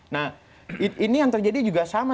nah ini yang terjadi juga sama